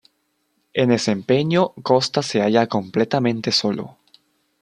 En ese empeño Costa se halla completamente solo.